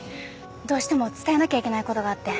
どうしても伝えなきゃいけないことがあって。